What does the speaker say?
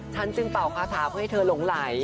ฉันจึงเป่าคาถาเพื่อให้เธอหลงไหล